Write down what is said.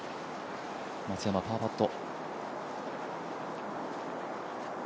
松山のパーパット。